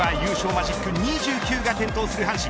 マジック２９が点灯する阪神。